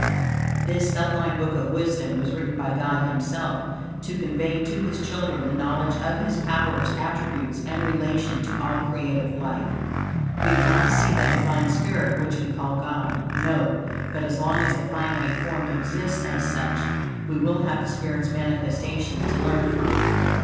This sublime Book of Wisdom was written by God Himself, to convey to His children the knowledge of His powers, attributes, and relation to all creative life. We cannot see that Divine Spirit which we call God. No; but as long as the finite form exists as such, we will have the spirit's manifestations to learn from.